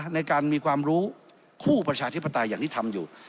ในการมีความรู้คู่ประชาธิปไตยอย่างที่ทำอยู่